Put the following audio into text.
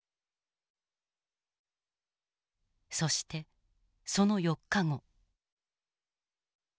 そしてその４日後。